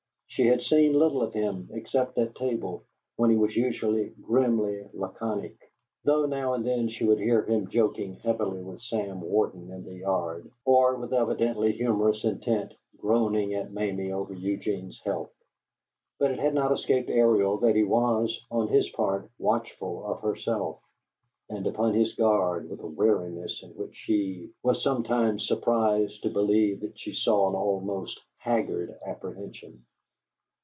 She had seen little of him, except at table, when he was usually grimly laconic, though now and then she would hear him joking heavily with Sam Warden in the yard, or, with evidently humorous intent, groaning at Mamie over Eugene's health; but it had not escaped Ariel that he was, on his part, watchful of herself, and upon his guard with a wariness in which she was sometimes surprised to believe that she saw an almost haggard apprehension.